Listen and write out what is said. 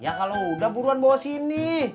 ya kalau udah buruan bawa sini